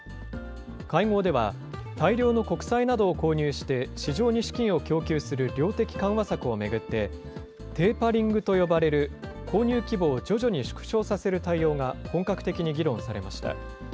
会合では、大量の国債などを購入して市場に資金を供給する量的緩和策を巡って、テーパリングと呼ばれる購入規模を徐々に縮小させる対応が本格的に議論されました。